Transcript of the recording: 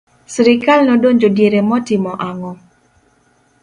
srikal nodonjo diere motimo ang'o?